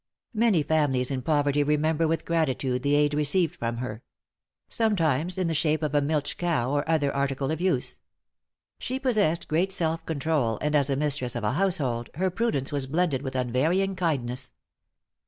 Many families in poverty remember with gratitude the aid received from her; sometimes in the shape of a milch cow, or other article of use. She possessed great self control, and as a mistress of a household, her prudence was blended with unvarying kindness.